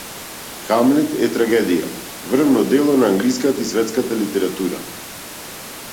„Хамлет“ е трагедија, врвно дело на англиската и светската литература.